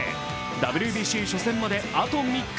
ＷＢＣ初戦まで、あと３日。